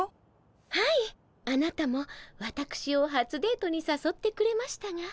はいあなたもわたくしをはつデートにさそってくれましたが。